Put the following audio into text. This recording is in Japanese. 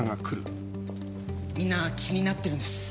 みんな気になってるんです。